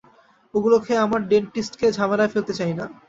ওগুলো খেয়ে আমার ডেন্টিস্টকে ঝামেলায় ফেলতে চাই না।